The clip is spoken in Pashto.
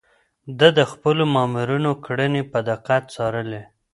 ده د خپلو مامورينو کړنې په دقت څارلې.